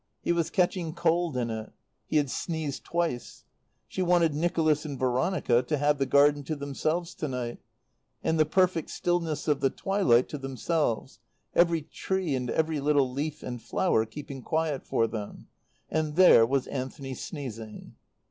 He was catching cold in it. He had sneezed twice. She wanted Nicholas and Veronica to have the garden to themselves to night, and the perfect stillness of the twilight to themselves, every tree and every little leaf and flower keeping quiet for them; and there was Anthony sneezing.